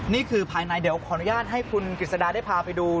นี่คือภายในเดี๋ยวขออนุญาตให้คุณกิจสดาได้พาไปดู